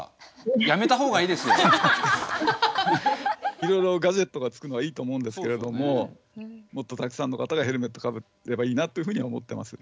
いろいろガジェットがつくのはいいと思うんですけれどももっとたくさんの方がヘルメットかぶればいいなっていうふうには思ってます。